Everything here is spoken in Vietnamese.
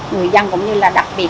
người dân cũng như là đặc biệt